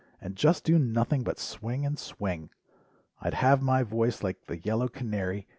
And just do nothing but swing and swing. I'd have my voice like the yellow canary.